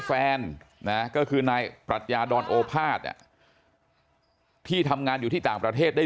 แฟนนะก็คือนายปรัชญาดอนโอภาษที่ทำงานอยู่ที่ต่างประเทศได้